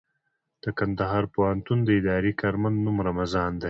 د کندهار پوهنتون د اداري کارمند نوم رمضان دئ.